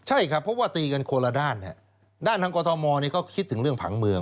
ใช่ครับเพราะว่าตีกันคนละด้านด้านทางกรทมก็คิดถึงเรื่องผังเมือง